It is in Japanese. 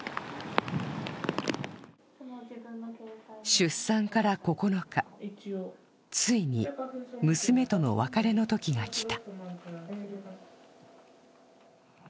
出産から９日、ついに娘との別れの時が来た。